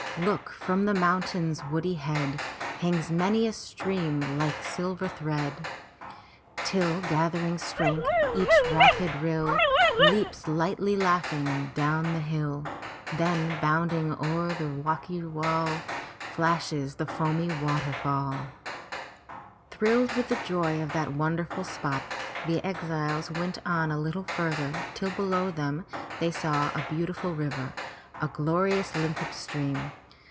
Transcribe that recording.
Look, from the mountain's woody head Hangs many a stream like silver thready Till, gathering strength, each rapid rill Leaps, lightly laughing, down the hilly Then, bounding o'er the rocky wally Flashes the foamy water fall''' Thrilled with the joy of that wonderful spot, the exiles went on a little further till below them they saw a beautiful river, a glorious limpid stream.